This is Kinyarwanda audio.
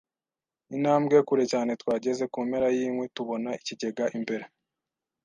Intambwe kure cyane twageze kumpera yinkwi tubona ikigega imbere